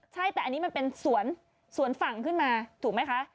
ใช่แต่อันนี้มันเป็นสวนฝั่งขึ้นมาถูกไหมคะ